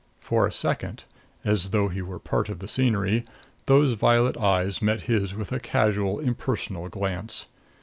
For a second, as though he were part of the scenery, those violet eyes met his with a casual impersonal glance.